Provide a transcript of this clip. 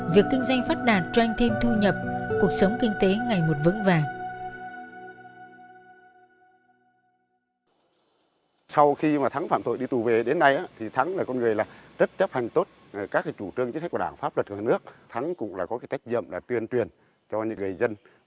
việc kinh doanh phát đạt cho anh thêm thu nhập cuộc sống kinh tế ngày một vững vàng